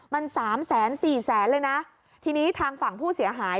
มันสามแสนสี่แสนเลยนะทีนี้ทางฝั่งผู้เสียหาย